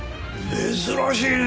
珍しいね！